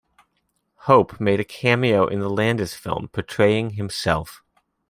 Hope made a cameo in the Landis film, portraying himself.